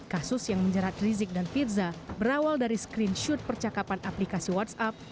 kasus yang menjerat rizik dan firza berawal dari screenshot percakapan aplikasi whatsapp